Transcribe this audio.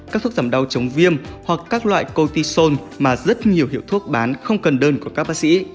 các thuốc giảm đau chống viêm hoặc các loại cortishone mà rất nhiều hiệu thuốc bán không cần đơn của các bác sĩ